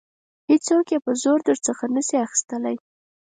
هیڅوک یې په زور درڅخه نشي اخیستلای.